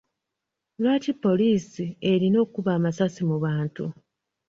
Lwaki poliisi erina okuba amasasi mu bantu.